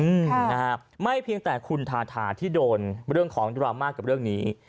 อืมค่ะนะฮะไม่เพียงแต่คุณทาทาที่โดนเรื่องของดราม่ากับเรื่องนี้